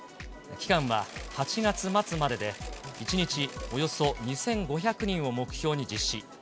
期間は８月末までで、１日およそ２５００人を目標に実施。